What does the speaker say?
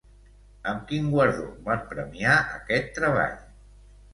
Amb quin guardó van premiar aquest treball?